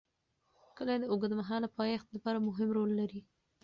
کلي د اوږدمهاله پایښت لپاره مهم رول لري.